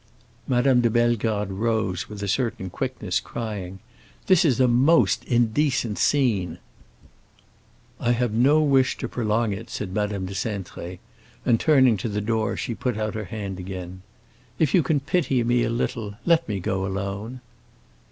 Madame de Bellegarde rose with a certain quickness, crying, "This is a most indecent scene!" "I have no wish to prolong it," said Madame de Cintré; and turning to the door she put out her hand again. "If you can pity me a little, let me go alone."